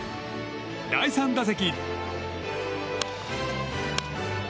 第３打席。